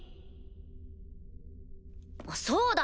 そうだ！